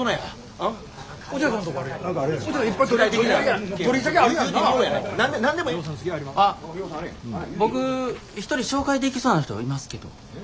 あっ僕一人紹介できそうな人いますけど。